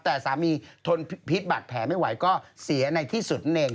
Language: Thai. แต่สามีทนพิษบัตรแผลไม่ไหวก็เสียในที่สุดเอง